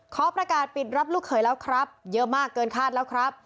ขอประกาศปิดรับลูกเขยแล้วครับเยอะมากเกินคาดแล้วครับ